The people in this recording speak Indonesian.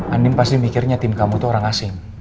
andin pasti mikirnya tim kamu tuh orang asing